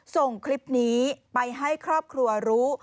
ส่งคลิปนี้ไปให้ครอบครัวรู้